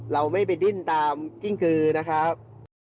เราไม่ไปดิ้นตามกิ้งกือนะครับ